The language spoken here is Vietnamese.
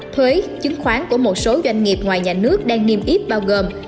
thuế chứng khoán của một số doanh nghiệp ngoài nhà nước đang niêm yết bao gồm